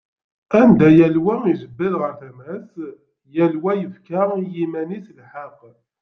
Anda yal wa ijebbed ɣer tama-s, yal wa yefka i yiman-is lḥeqq.